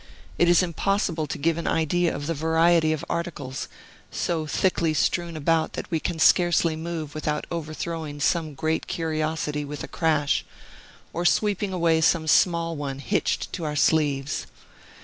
It is impossible to give an idea of the variety of articles, so thickly strewn about that we can scarcely move without overthrowing some great curiosity with a crash, or sweeping away some small one hitched to our sleeves.